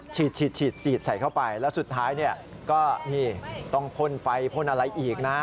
ฉีดใส่เข้าไปแล้วสุดท้ายก็ต้องพ่นไปพ่นอะไรอีกนะ